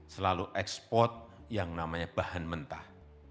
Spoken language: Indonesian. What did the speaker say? selalu ekspor yang namanya bahan mentah